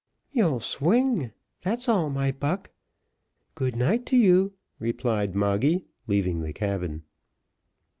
"You'll swing, that's all, my buck. Good night to you," replied Moggy, leaving the cabin.